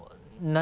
何？